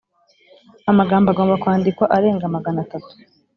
Amagambo agomba kwandikwa arenga Magana atatu